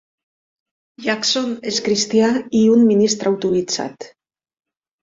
Jackson és cristià i un ministre autoritzat.